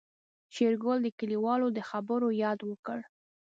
شېرګل د کليوال د خبرو ياد وکړ.